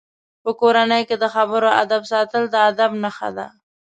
په کورنۍ کې د خبرو آدب ساتل د ادب نښه ده.